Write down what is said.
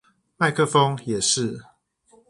麥克風也是